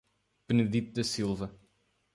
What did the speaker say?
Benedito da Silva